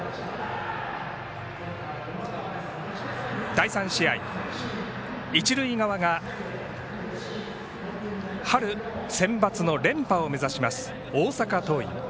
第３試合、一塁側が春センバツの連覇を目指します大阪桐蔭。